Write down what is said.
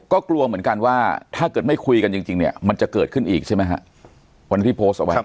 ก็กลัวเหมือนกันว่าถ้าเกิดไม่คุยกันจริงจริงเนี้ยมันจะเกิดขึ้นอีกใช่ไหมฮะ